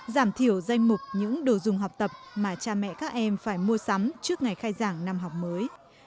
giảm thiểu danh mục những đồ dùng học tập mà cha mẹ các em phải mua sắm trước ngày khai giảng năm học mới